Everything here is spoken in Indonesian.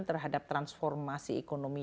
terhadap transformasi ekonomi